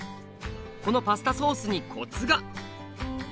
このパスタソースにコツが！